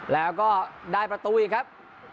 แล้วก็ได้ประตูอีกครับ